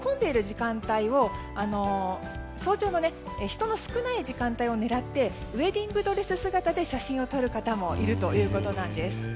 早朝の人の少ない時間帯を狙ってウエディングドレス姿で写真を撮る方もいるということです。